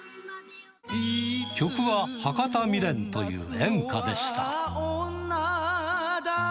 曲は博多みれんという演歌でした。